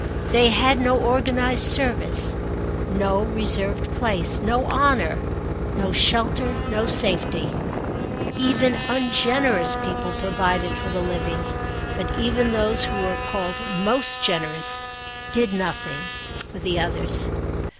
They had no organised service, no reserved place, no honour, no shelter, no safety. Even ungenerous people provided for the living, but even those who were called most generous did nothing for the others.